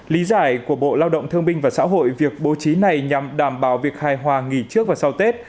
lý giải của bộ lao động thương binh và xã hội việc bố trí này nhằm đảm bảo việc hài hòa nghỉ trước và sau tết